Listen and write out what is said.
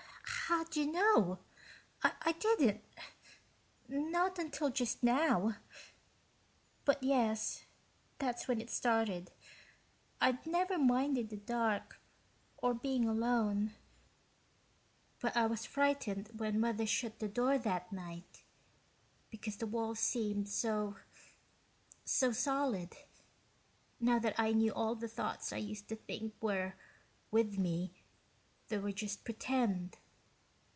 "How'd you know? I didn't not until just now. But, yes, that's when it started. I'd never minded the dark or being alone, but I was frightened when Mother shut the door that night, because the walls seemed so ... so solid, now that I knew all the thoughts I used to think were with me there were just pretend.